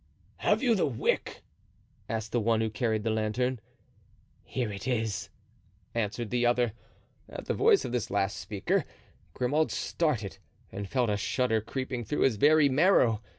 "Have you the wick?" asked the one who carried the lantern. "Here it is," answered the other. At the voice of this last speaker, Grimaud started and felt a shudder creeping through his very marrow.